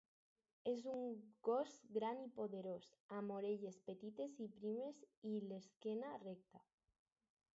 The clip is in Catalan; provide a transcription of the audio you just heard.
És un gos gran i poderós, amb orelles petites i primes i l'esquena recta.